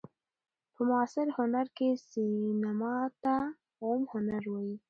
په معاصر هنر کښي سېنما ته اووم هنر وايي.